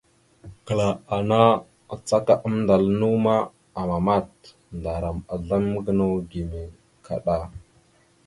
Kəla ana acaka amndal naw ma, amamat. Ndaram azlam gənaw gime kaɗay.